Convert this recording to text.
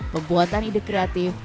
pembuatan ide kreatif